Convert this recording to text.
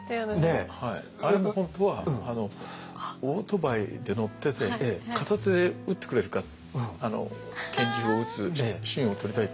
あれも本当はオートバイで乗ってて片手で撃ってくれるか拳銃を撃つシーンを撮りたいって。